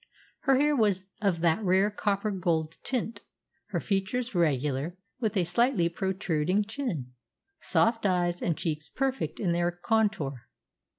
Her hair was of that rare copper gold tint, her features regular, with a slightly protruding chin, soft eyes, and cheeks perfect in their contour.